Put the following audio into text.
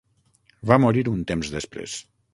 Va morir un temps després.